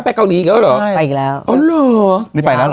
ไปอีกแล้วยาวเลย